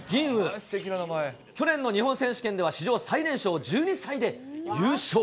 去年の日本選手権では、史上最年少１２歳で優勝。